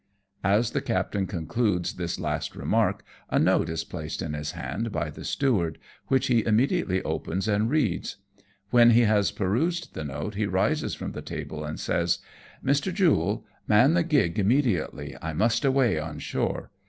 As the captain concludes this last remark^ a note is placed in his hand by the steward, which he imme ABOUT woo AH CHEONG. 89 diately opens and reads. "When lie has perused the note he rises from the table, and says, —" Mr. Jule, man the gig immediately, I must away on shore.